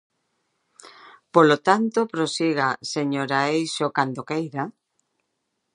Polo tanto, prosiga, señora Eixo, cando queira.